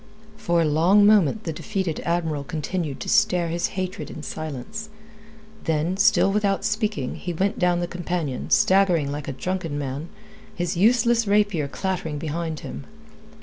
For a long moment the defeated Admiral continued to stare his hatred in silence, then, still without speaking, he went down the companion, staggering like a drunken man, his useless rapier clattering behind him.